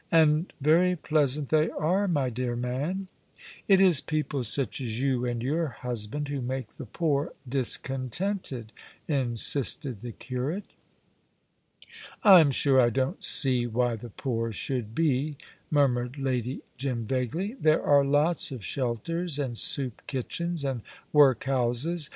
"And very pleasant they are, my dear man." "It is people such as you and your husband who make the poor discontented," insisted the curate. "I'm sure I don't see why the poor should be," murmured Lady Jim, vaguely; "there are lots of shelters and soup kitchens and workhouses.